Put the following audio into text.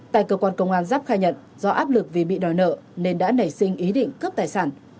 tại cơ quan công an giáp khai nhận do áp lực vì bị đòi nợ nên đã nảy sinh ý định cướp tài sản